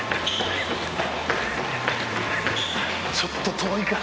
ちょっと遠いか。